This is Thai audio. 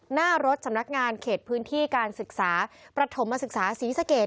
หน้ารถสำนักงานเขตพื้นที่การศึกษาประถมศึกษาศรีสะเกด